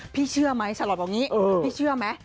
เชื่อไหมสลอทบอกอย่างนี้พี่เชื่อไหม